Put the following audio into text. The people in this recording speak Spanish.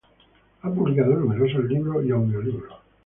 Ha publicado numerosos libros y audiolibros.